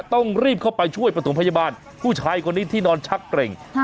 ต้องรีบเข้าไปช่วยประถมพยาบาลผู้ชายคนนี้ที่นอนชักเกร็ง